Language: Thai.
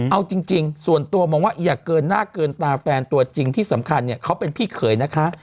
เอาจริงส่วนตัวมองว่าอย่าเกินหน้าเกินตาแฟนตัวจริงที่สำคัญเนี่ยเขาเป็นพี่เขยนะคะ